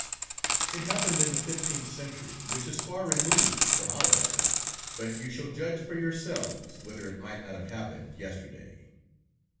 "It happened in the fifteenth century, which is far removed from our epoch, but you shall judge for yourselves whether it might not have happened yesterday.